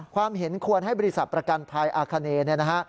ความเห็นควรให้บริษัทประกันภัยอาคเนย์